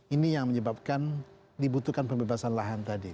ini yang menyebabkan dibutuhkan pembebasan lahan tadi